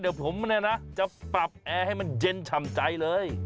เดี๋ยวผมจะปรับแอร์ให้มันเย็นช่ำใจเลย